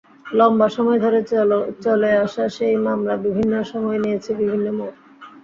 লম্বা সময় ধরে চলে আসা সেই মামলা বিভিন্ন সময় নিয়েছে বিভিন্ন মোড়।